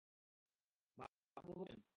ভাবনাটা উপভোগ করছেন?